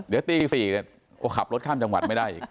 เดี๋ยวตี๔ก็ขับรถข้ามจังหวัดไม่ได้อีก